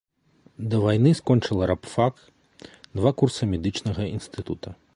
Да вайны скончыла рабфак, два курса медычнага інстытута.